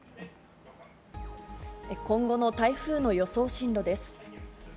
今後の台風の予想進路です。